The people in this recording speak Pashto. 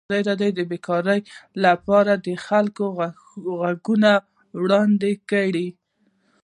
ازادي راډیو د بیکاري لپاره د خلکو غوښتنې وړاندې کړي.